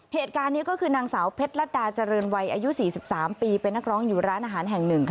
เหตุการณ์นี้ก็คือนางสาวเพชรรัฐดาเจริญวัยอายุ๔๓ปีเป็นนักร้องอยู่ร้านอาหารแห่งหนึ่ง